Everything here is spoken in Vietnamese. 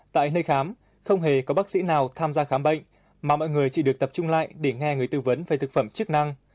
tại nơi khám không hề có bác sĩ nào tham gia khám bệnh mà mọi người chỉ được tập trung lại để nghe người tư vấn về thực phẩm chức năng